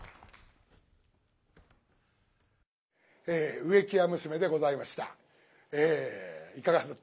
「植木屋娘」でございました。